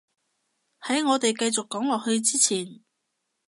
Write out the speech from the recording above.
喺我哋繼續講落去之前